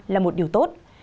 là một điều tốt